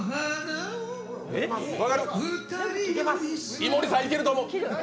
井森さん、いけると思う。